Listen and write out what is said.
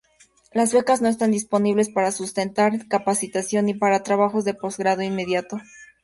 Las becas no están disponibles para sustentar capacitación ni para trabajos de posgrado inmediato.